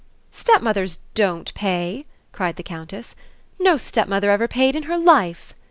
"Stepmothers DON'T pay!" cried the Countess. "No stepmother ever paid in her life!"